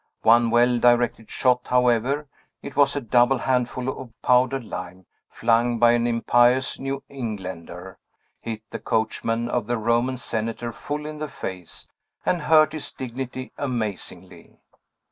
One well directed shot, however, it was a double handful of powdered lime, flung by an impious New Englander, hit the coachman of the Roman Senator full in the face, and hurt his dignity amazingly.